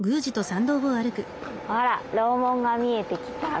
あら楼門が見えてきた。